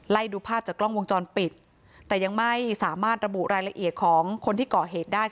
ดูภาพจากกล้องวงจรปิดแต่ยังไม่สามารถระบุรายละเอียดของคนที่เกาะเหตุได้